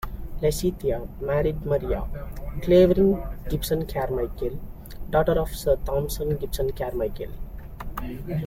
Lacaita married Maria Clavering Gibson-Carmichael, daughter of Sir Thomas Gibson-Carmichael.